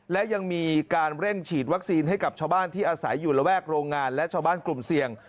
และยังมีการเร่งฉีดวัคซีนให้กับชาวบ้านที่อาศัยอยู่ระแวกโรงงานและชาวบ้านกลุ่มเสี่ยง